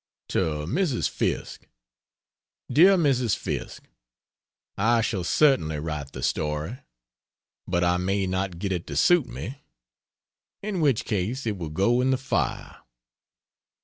To Mrs. Fiske: DEAR MRS. FISKE, I shall certainly write the story. But I may not get it to suit me, in which case it will go in the fire.